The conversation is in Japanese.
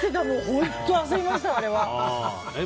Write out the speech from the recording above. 本当焦りました、あれは。